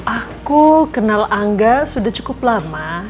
aku kenal angga sudah cukup lama